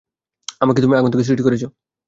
আমাকে তুমি আগুন থেকে সৃষ্টি করেছ।